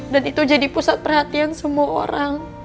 dan itu jadi pusat perhatian semua orang